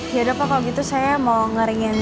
yaudah pak kalau gitu saya mau ngeringin